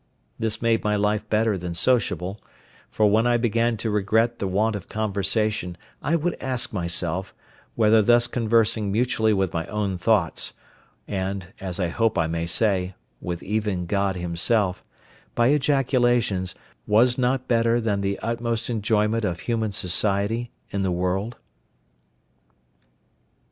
This made my life better than sociable, for when I began to regret the want of conversation I would ask myself, whether thus conversing mutually with my own thoughts, and (as I hope I may say) with even God Himself, by ejaculations, was not better than the utmost enjoyment of human society in the world?